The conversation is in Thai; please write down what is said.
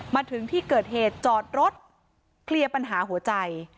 มาถึงที่เกิดเหตุจอดรถเคลียร์ปัญหาหัวใจ